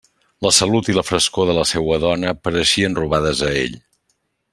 La salut i la frescor de la seua dona pareixien robades a ell.